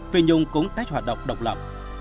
phi nhung cũng tách hoạt động độc lập